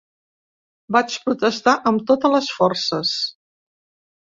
Vaig protestar amb totes les forces.